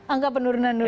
angka penurunan dulu